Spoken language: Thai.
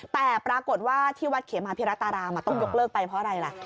แต่ปรากฏว่าที่วัดเขมาพิรัตรารามต้องยกเลิกไปเพราะอะไรล่ะ